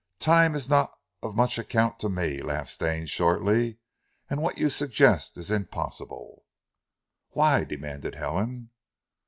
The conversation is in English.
"Time is not of much account to me," laughed Stane shortly. "And what you suggest is impossible." "Why?" demanded Helen.